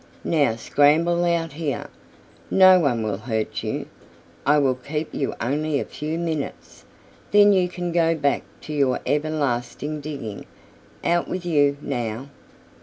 Now scramble out here. No one will hurt you. I will keep you only a few minutes. Then you can go back to your everlasting digging. Out with you, now!"